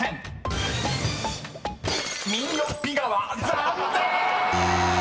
［残念！］